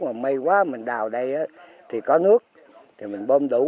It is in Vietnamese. mà mây quá mình đào đây thì có nước thì mình bơm đủ